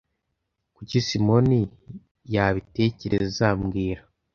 Kuki Simoni yabitekereza mbwira